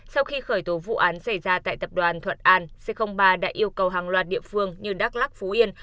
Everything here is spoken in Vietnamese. sau khi khởi tố vụ án xảy ra tại tập đoàn thuận an c ba đã yêu cầu hàng loạt địa phương như đắk lắc phú yên